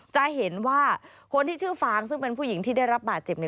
จะเห็นว่าคนที่ชื่อฟางซึ่งเป็นผู้หญิงที่ได้รับบาดเจ็บเนี่ย